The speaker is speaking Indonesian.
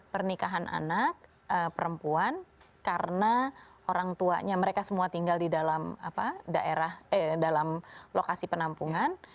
pernikahan anak perempuan karena orang tuanya mereka semua tinggal di dalam lokasi penampungan